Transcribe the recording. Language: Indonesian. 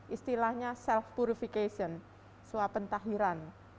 istilahnya self purification suapentahiran